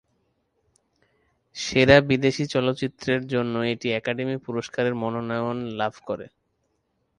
সেরা বিদেশি চলচ্চিত্রের জন্য এটি একাডেমি পুরস্কারের মনোনয়ন লাভ করে।